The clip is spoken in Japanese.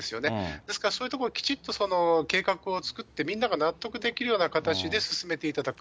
ですから、そういうところをきちっと計画を作って、みんなが納得できるような形で進めていただく。